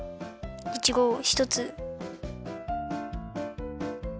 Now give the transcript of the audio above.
いちごをひとつ。